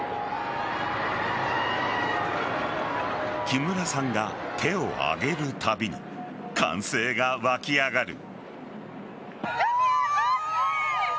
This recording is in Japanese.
木村さんが手を上げるたびに歓声が沸き上がる。